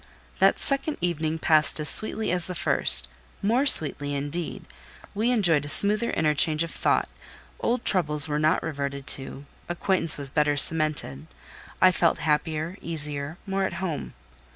That second evening passed as sweetly as the first—more sweetly indeed: we enjoyed a smoother interchange of thought; old troubles were not reverted to, acquaintance was better cemented; I felt happier, easier, more at home.